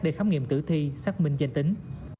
để khám nghiệm tử thi xác minh danh tính